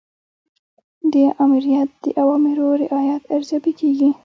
د آمریت د اوامرو رعایت ارزیابي کیږي.